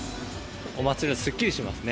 お祭りはすっきりしますね。